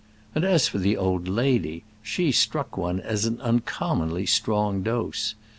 And as for the old lady, she struck one as an uncommonly strong dose.